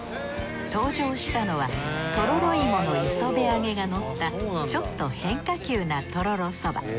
登場したのはとろろ芋の磯辺揚げがのったちょっと変化球なとろろそば。